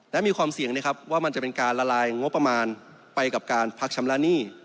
และมีความเสี่ยงนะครับว่ามันจะเป็นการละลายงบประมาณไปกับการพักชำระหนี้